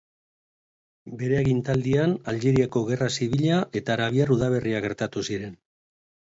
Bere agintaldian Aljeriako Gerra Zibila eta Arabiar Udaberria gertatu ziren.